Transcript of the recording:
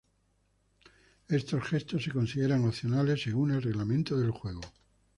Estos gestos se consideran opcionales según el reglamento del juego.